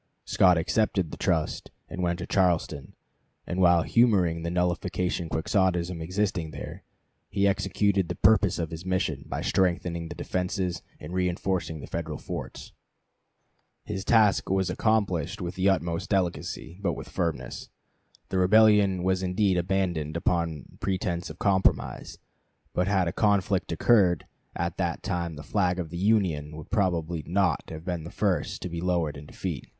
Scott accepted the trust and went to Charleston, and while humoring the nullification Quixotism existing there, he executed the purpose of his mission, by strengthening the defenses and reenforcing; the Federal forts. His task was accomplished with the utmost delicacy, but with firmness. The rebellion was indeed abandoned upon pretense of compromise; but had a conflict occurred at that time the flag of the Union would probably not have been the first to be lowered in defeat.